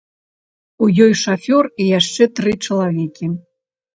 У ёй шафёр і яшчэ тры чалавекі.